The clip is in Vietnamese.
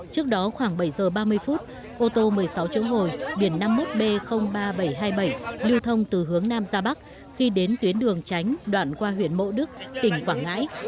trước đó khoảng bảy giờ ba mươi phút ô tô một mươi sáu chỗ ngồi biển năm mươi một b ba nghìn bảy trăm hai mươi bảy lưu thông từ hướng nam ra bắc khi đến tuyến đường tránh đoạn qua huyện mộ đức tỉnh quảng ngãi